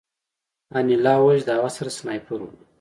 انیلا وویل چې د هغه سره سنایپر و